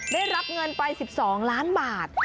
ได้รับเงินไป๑๒ล้านบาท